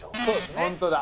そうですね。